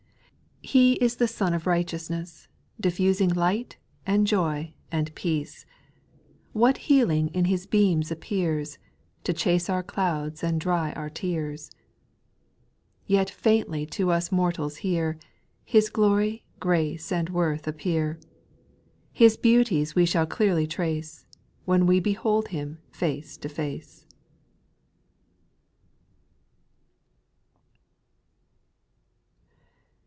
He is the Sun of righteousness, Diffusing light, and joy, and peacjo ; What heaUng in His beams appears, To chase our clouds and dry our tears ! 6. Yet faintly to us mortals here. His glory, grace, and worth appear ; His beauties we shall clearly trace, When we behold Him face to face.